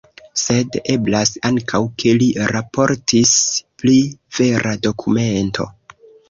Sed eblas ankaŭ ke li raportis pri vera dokumento.